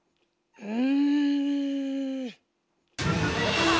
うん。